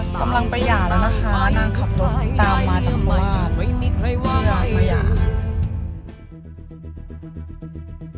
กำลังไปหย่าแล้วนะคะมานานขับรถ